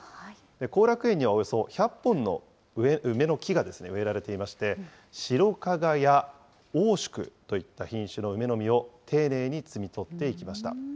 後楽園にはおよそ１００本の梅の木が植えられていまして、白加賀や鶯宿といった品種の梅の実を丁寧に摘み取っていきました。